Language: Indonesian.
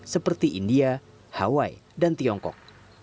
seperti india hawaii dan tiongkok